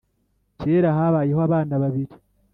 Kera habayeho abana babiri